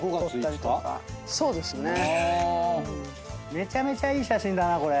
めちゃめちゃいい写真だなこれ。